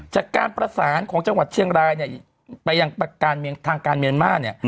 จากการปรสารของจังหวัดเชียงรายไปยังทางการเมียนมาส